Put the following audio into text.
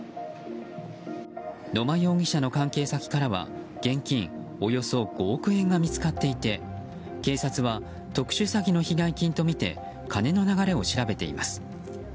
野間容疑者の関係先からは現金およそ５億円が見つかっていて警察は特殊詐欺の被害金とみて金の流れを調べています。